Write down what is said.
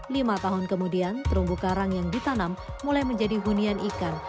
lima tahun kemudian terumbu karang yang ditanam mulai menjadi hunian ikan